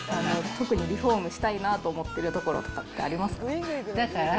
特にリフォームしたいなと思ってる所とか、ありますか？